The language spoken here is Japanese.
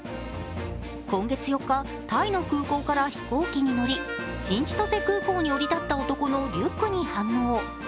今月４日、タイの空港から飛行機に乗り新千歳空港に降り立った男のリュックに反応。